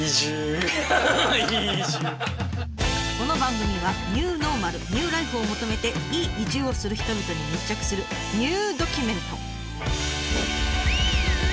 この番組はニューノーマルニューライフを求めて「いい移住」をする人々に密着するニュードキュメント。